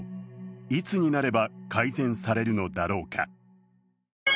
いつになれば改善されるのだろうか。